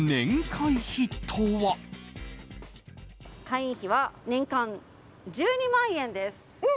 会員費は年間１２万円です。